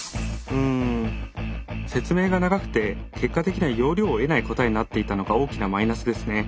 うん説明が長くて結果的には要領を得ない答えになっていたのが大きなマイナスですね。